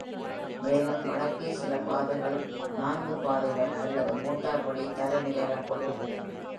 மேலும் வடக்கே சில பாதகள், நாங்கு பாதைகள் அல்லது மோட்டார்வழி தரநிலைகள் கொண்டிருக்கின்றன.